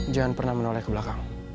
jangan pernah menoleh ke belakang